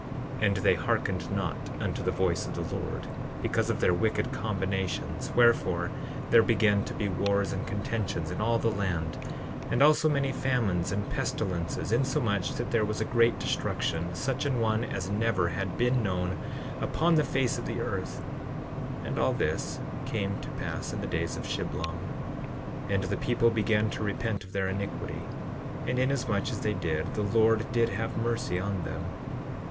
11:7 And they hearkened not unto the voice of the Lord, because of their wicked combinations; wherefore, there began to be wars and contentions in all the land, and also many famines and pestilences, insomuch that there was a great destruction, such an one as never had been known upon the face of the earth; and all this came to pass in the days of Shiblom. 11:8 And the people began to repent of their iniquity; and inasmuch as they did the Lord did have mercy on them.